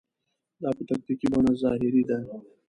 دا په تکتیکي بڼه ظاهري ده.